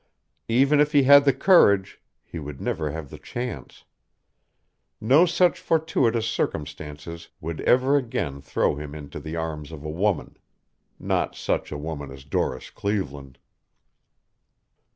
Even if he had the courage, he would never have the chance. No such fortuitous circumstances would ever again throw him into the arms of a woman, not such a woman as Doris Cleveland.